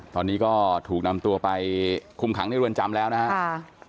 ตอนนี้ก็ถูกนำตัวไปคุมขังในเรือนจำแล้วนะครับ